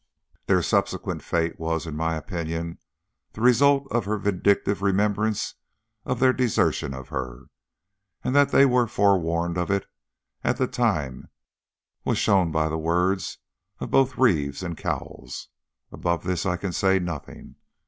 Their subsequent fate was, in my opinion, the result of her vindictive remembrance of their desertion of her, and that they were forewarned of it at the time was shown by the words of both Reeves and Cowles. Above this, I can say nothing.